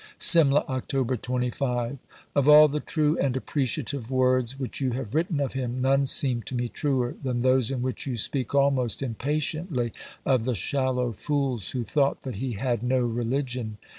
SIMLA, October 25. Of all the true and appreciative words which you have written of him, none seem to me truer than those in which you speak almost impatiently of the shallow fools who thought that he had "no religion."